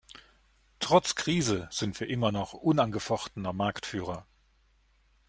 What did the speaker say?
Trotz Krise sind wir immer noch unangefochtener Marktführer.